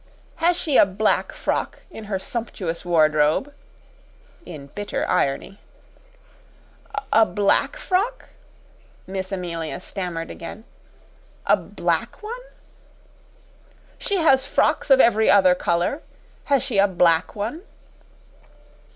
"Has she a black frock in her sumptuous wardrobe?" in bitter irony. "A black frock?" Miss Amelia stammered again. "A BLACK one?" "She has frocks of every other color. Has she a black one?"